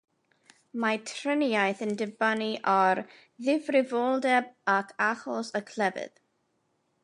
Mae triniaeth yn dibynnu ar ddifrifoldeb ac achos y clefyd.